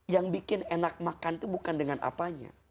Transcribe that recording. yang bikin enak makan itu bukan dengan apanya